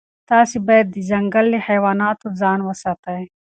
تاسي باید د ځنګل له حیواناتو ځان وساتئ.